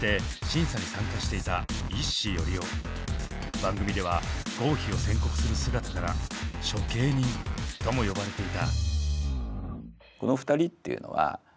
番組では合否を宣告する姿から「処刑人」とも呼ばれていた。